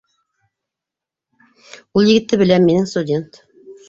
- Ул егетте беләм, минең студент